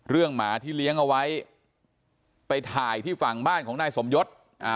หมาที่เลี้ยงเอาไว้ไปถ่ายที่ฝั่งบ้านของนายสมยศ